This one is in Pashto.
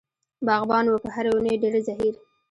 باغبان و په هرې ونې ډېر زهیر.